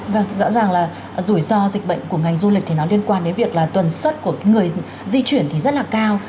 vâng rõ ràng là rủi ro dịch bệnh của ngành du lịch thì nó liên quan đến việc là tuần suất của người di chuyển thì rất là cao